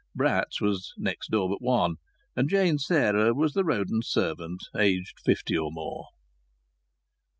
Bratt's was next door but one, and Jane Sarah was the Roden servant, aged fifty or more.